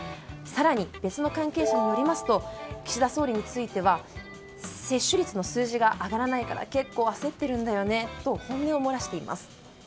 更に、別の関係者によりますと岸田総理については接種率の数字が上がらないから結構焦ってるんだよねと本音を漏らしています。